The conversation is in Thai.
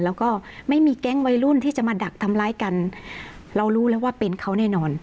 แล้วก็ไม่มีแก๊งวัยรุ่นที่จะมาดักทำร้ายกันเรารู้แล้วว่าเป็นเขาแน่นอน